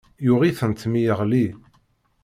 Yuɣ-itent mi yeɣli.